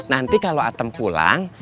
nanti kalau atem pulang